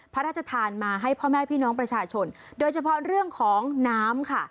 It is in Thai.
พระราชทานมาให้พ่อแม่พี่น้องประชาชนโดยเฉพาะเรื่องของน้ำค่ะ